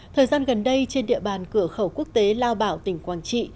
thời gian gần đây trên địa bàn cửa khẩu quốc tế lao bảo tỉnh quảng trị